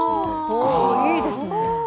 いいですね。